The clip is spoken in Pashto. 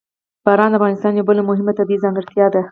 باران د افغانستان یوه بله مهمه طبیعي ځانګړتیا ده.